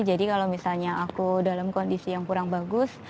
jadi kalau misalnya aku dalam kondisi yang kurang bagus